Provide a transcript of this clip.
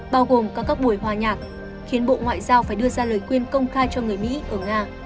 bao gồm cả các buổi hòa nhạc khiến bộ ngoại giao phải đưa ra lời khuyên công khai cho người mỹ ở nga